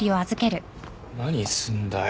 何すんだよ。